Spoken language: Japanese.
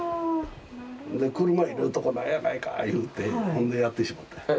で車入れるとこないやないかいうてほんでやってしもうたんや。